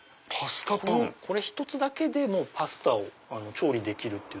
これ１つだけでパスタを調理できる。